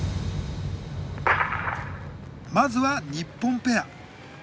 まずは日本ペア。